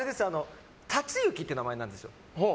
たつゆきって名前なんですよ。